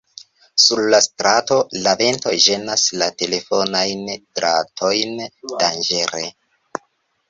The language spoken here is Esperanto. Sur la strato, la vento ĝenas la telefonajn dratojn danĝere.